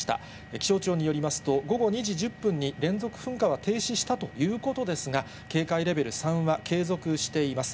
気象庁によりますと、午後２時１０分に連続噴火は停止したということですが、警戒レベル３は継続しています。